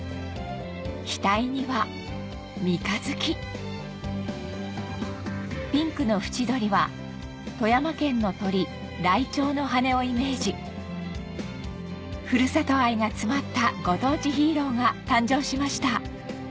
額には三日月ピンクの縁取りは富山県の鳥ライチョウの羽をイメージふるさと愛が詰まったご当地ヒーローが誕生しました